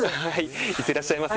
行ってらっしゃいませ。